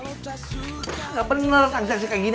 saya yang memegang pesan keren